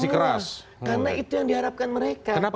karena itu yang diharapkan mereka